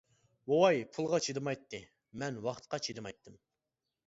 بوۋاي پۇلغا چىدىمايتتى، مەن ۋاقىتقا چىدىمايتتىم.